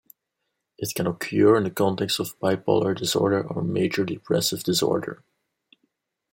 It can occur in the context of bipolar disorder or major depressive disorder.